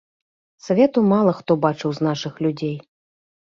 Свету мала хто бачыў з нашых людзей.